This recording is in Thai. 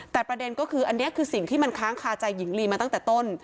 แต่ประเด็นก็คืออันนี้คือสิ่งที่มันค้างคาใจหญิงลีมาตั้งแต่ต้น